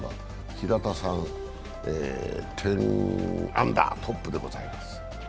平田さん、１０アンダートップでございます。